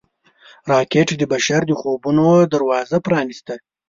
راکټ د بشر د خوبونو دروازه پرانیسته